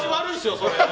それ。